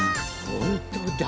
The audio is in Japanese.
ほんとだ。